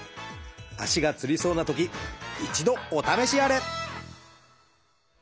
足がつりそうなとき一度お試しあれ！